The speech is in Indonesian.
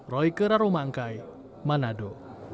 roy kerarumangkai manado